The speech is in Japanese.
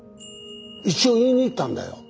一応言いに行ったんだよ。